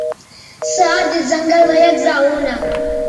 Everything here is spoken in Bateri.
سے ہر دِس زنگل مہ یک زائے ہونہ